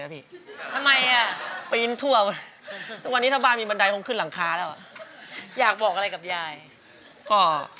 เอาอีบอย่างไม่ตื้นมาเก็บก่อน